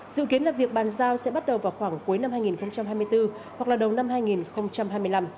dự kiến là việc bàn giao sẽ bắt đầu vào khoảng cuối năm hai nghìn hai mươi bốn hoặc là đầu năm hai nghìn hai mươi năm